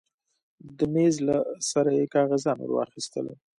د مېز له سره يې کاغذان ورواخيستل.